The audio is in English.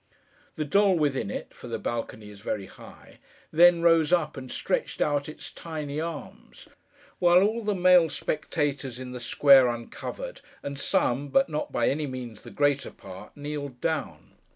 The doll within it (for the balcony is very high) then rose up, and stretched out its tiny arms, while all the male spectators in the square uncovered, and some, but not by any means the greater part, kneeled down.